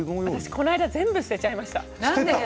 この間全部、捨てちゃいました。